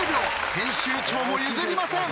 編集長も譲りません。